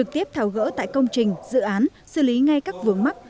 điếp thảo gỡ tại công trình dự án xử lý ngay các vườn mắt